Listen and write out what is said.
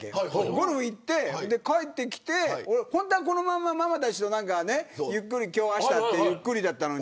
ゴルフに行って、帰ってきて本当はこのまま、ママたちとゆっくり今日、あしたってゆっくりだったのに。